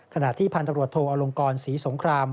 ขณะที่พันธบรวจโทอลงกรศรีสงคราม